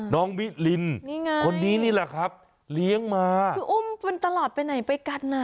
น้องมิลินคนนี้นี่แหละครับเลี้ยงมาคืออุ้มมันตลอดไปไหนไปกันน่ะ